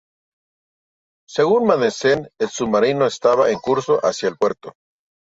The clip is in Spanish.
Según Madsen, el submarino estaba en curso hacia el puerto.